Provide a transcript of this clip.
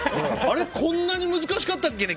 こんなに難しかったっけね。